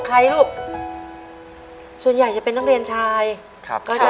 ในแคมเปญพิเศษเกมต่อชีวิตโรงเรียนของหนู